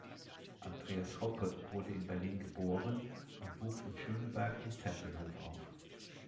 Andreas Hoppe wurde in Berlin geboren und wuchs in Schöneberg und Tempelhof auf.